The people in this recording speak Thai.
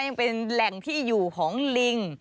ยังเป็นแหล่งที่อยู่ของลิง